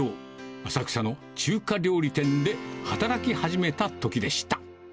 浅草の中華料理店で働き始めたときでした。